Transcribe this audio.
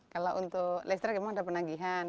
kalau untuk listrik memang ada penagihan